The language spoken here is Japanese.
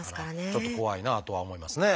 ちょっと怖いなとは思いますね。